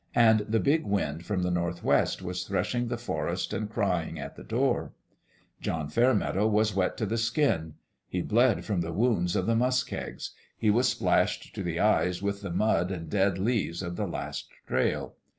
And the big wind from the North west was threshing the forest and crying at the door. John Fairmeadow was wet to the skin. He bled from the wounds of the muskegs : he was splashed to the eyes with the mud and dead leaves of the last trail.